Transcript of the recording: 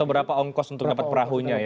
berapa ongkos untuk dapat perahunya ya